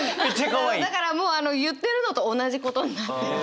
だからもう言ってるのと同じことになってる。